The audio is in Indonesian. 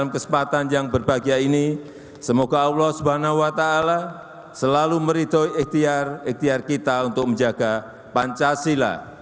kepada pemerintah dan pemerintah indonesia